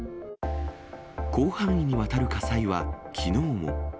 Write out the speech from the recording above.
広範囲にわたる火災はきのうも。